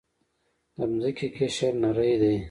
د ځمکې قشر نری دی.